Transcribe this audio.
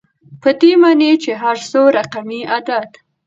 په دې معني چي هر څو رقمي عدد